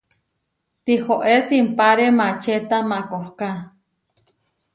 Tihoé simpáre maačeta makohká.